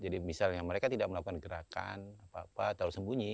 jadi misalnya mereka tidak melakukan gerakan apa apa terlalu sembunyi